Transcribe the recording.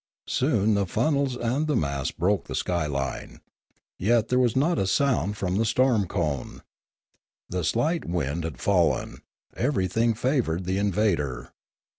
Soon the funnels and the masts broke Choktroo 209 the sky line. Yet there was not a sound from the storm cone. The slight wind had fallen; everything favoured the invader.